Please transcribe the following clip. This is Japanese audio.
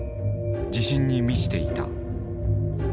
自信に満ちていた。